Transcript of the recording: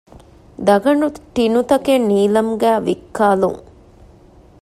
ދަގަނޑު ޓިނުތަކެއް ނީލަމްގައި ވިއްކާލުން